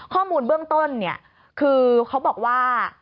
ข้อมูลเบื้องต้นเนี่ยคือเขาบอกว่า